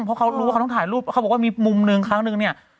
เพราะเขารู้ว่าเขาต้องถ่ายรูปเขาบอกว่ามีมุมหนึ่งครั้งนึงเนี่ย